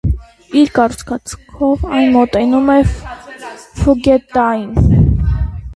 Իր կառուցվածքով այն մոտենում է ֆուգետտային։